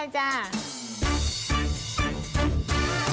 ใช่จ้ะ